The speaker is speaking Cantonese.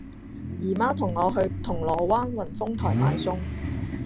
姨媽同我去銅鑼灣宏豐台買餸